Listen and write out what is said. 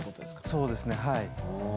そうですねはい。